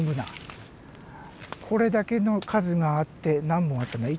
これだけの数があって何本あったんだ？